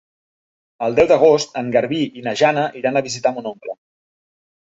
El deu d'agost en Garbí i na Jana iran a visitar mon oncle.